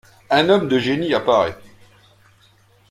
Un homme de génie apparaît.